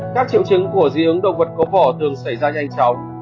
các triệu chứng của dị ứng động vật có vỏ thường xảy ra nhanh chóng